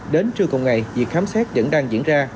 đến trưa cùng ngày việc khám xét vẫn đang diễn ra